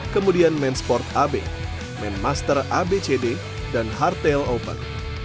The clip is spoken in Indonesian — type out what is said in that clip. kemudian men sport ab men master abcd dan hartail open